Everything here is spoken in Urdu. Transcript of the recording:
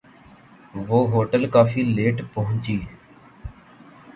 وہ ہوٹل کافی لیٹ پہنچی